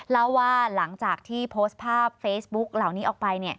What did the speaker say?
เล่าว่าหลังจากที่โพสต์ภาพเฟซบุ๊กเหล่านี้ออกไป